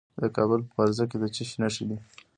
د کابل په فرزه کې د څه شي نښې دي؟